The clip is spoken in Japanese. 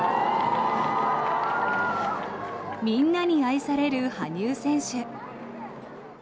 みんなに愛される羽生選手。